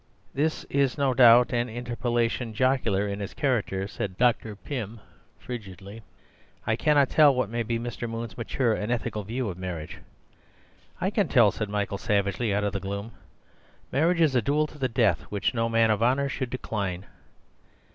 "This is no doubt an inter pellation joc'lar in its character," said Dr. Pym frigidly. "I cannot tell what may be Mr. Moon's matured and ethical view of marriage—" "I can tell," said Michael savagely, out of the gloom. "Marriage is a duel to the death, which no man of honour should decline."